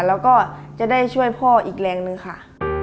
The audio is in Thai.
แล้วก็จะได้ช่วยพ่ออีกแรงนึงค่ะ